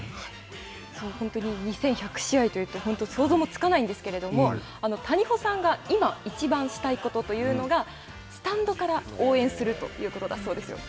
本当に２１００試合というと想像もつかないんですけれども、谷保さんが今いちばんしたいことというのがスタンドから応援するということだそうですよ。